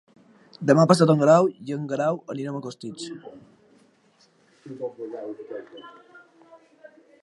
Demà passat en Grau i en Guerau aniran a Costitx.